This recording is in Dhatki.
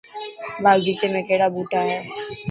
باغيچي ۾ ڪهڙا ٻوٽا هي.